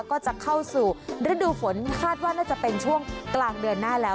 ก็จะเข้าสู่ฤดูฝนคาดว่าน่าจะเป็นช่วงกลางเดือนหน้าแล้ว